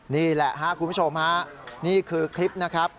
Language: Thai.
นี่แหละครับคุณผู้ชมฮะนี่คือคลิปนะครับ